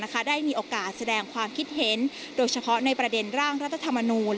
ได้มีโอกาสแสดงความคิดเห็นโดยเฉพาะในประเด็นร่างรัฐธรรมนูล